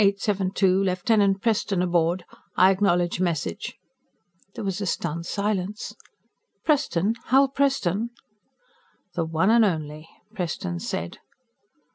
"] Preston paused. Then: "Postal Ship 1872, Lieutenant Preston aboard. I acknowledge message." There was a stunned silence. "Preston? Hal Preston?" "The one and only," Preston said.